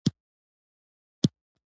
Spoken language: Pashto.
پر ما تور مه لګوه؛ خپل بار به دروند کړې.